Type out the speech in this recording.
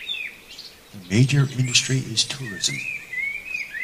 The major industry is tourism.